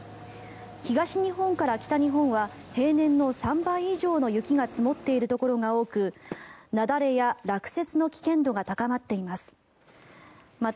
東日本から北日本は平年の３倍以上の雪が積もっているところが多く雪崩や落雪の危険度が高まっています。